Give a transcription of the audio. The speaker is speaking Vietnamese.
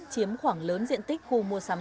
chiếm khoảng lớn diện tích khu mua sắm